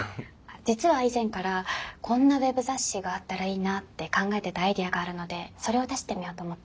実は以前からこんなウェブ雑誌があったらいいなって考えてたアイデアがあるのでそれを出してみようと思って。